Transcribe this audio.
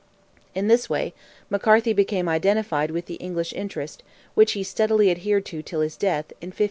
In this way McCarthy became identified with the English interest, which he steadily adhered to till his death—in 1536.